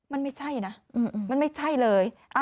มันไม่ใช่นะมันไม่ใช่เลย